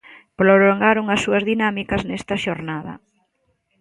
Prolongaron as súas dinámicas nesta xornada.